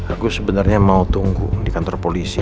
aku sebenarnya mau tunggu di kantor polisi